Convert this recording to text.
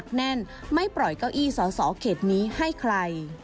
เผื่อข่าวไงค่ะ